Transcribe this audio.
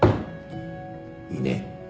いいね。